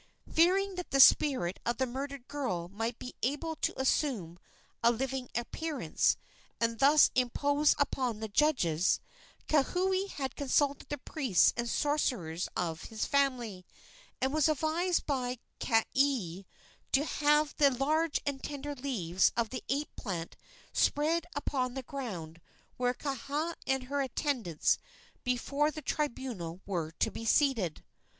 Fearing that the spirit of the murdered girl might be able to assume a living appearance, and thus impose upon the judges, Kauhi had consulted the priests and sorcerers of his family, and was advised by Kaea to have the large and tender leaves of the ape plant spread upon the ground where Kaha and her attendants before the tribunal were to be seated.